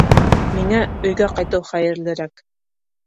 Миңә өйгә ҡайтыу хәйерлерәк